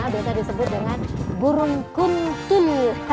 biasa disebut dengan burung kuntu